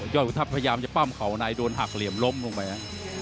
ขุนทัพพยายามจะปั้มเขาในโดนหักเหลี่ยมล้มลงไป